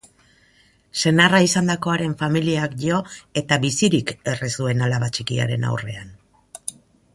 Senarra izandakoaren familiak jo eta bizirik erre zuen alaba txikiaren aurrean.